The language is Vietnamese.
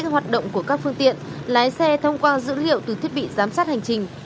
hoạt động của các phương tiện lái xe thông qua dữ liệu từ thiết bị giám sát hành trình